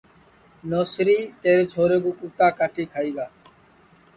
نوسری تیرے چھورے کُو کُوتا کاٹی کھائی گا